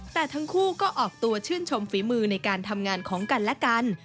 แต่ทั้งคู่ก็ออกตัวชื่นชมฝีมือในการทำงานของกันและกัน